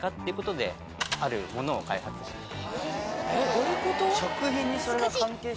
どういうこと？